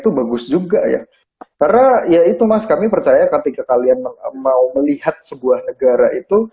itu bagus juga ya karena ya itu mas kami percaya ketika kalian mau melihat sebuah negara itu